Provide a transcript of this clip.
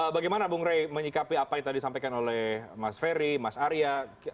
bagaimana bung rey menyikapi apa yang tadi disampaikan oleh mas ferry mas arya